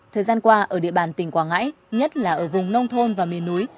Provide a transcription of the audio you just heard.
thời gian qua ở địa bàn tỉnh quảng ngãi nhất là ở vùng nông thôn và miền núi